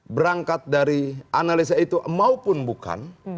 berangkat dari analisa itu maupun bukan